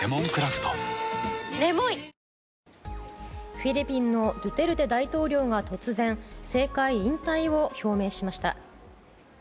フィリピンのドゥテルテ大統領が突然、政界引退を表明しました。